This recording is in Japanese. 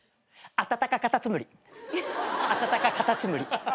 あたたかカタツムリ。